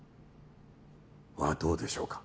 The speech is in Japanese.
はどうでしょうか？